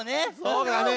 そうだね。